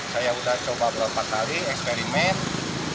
saya udah coba beberapa kali eksperimen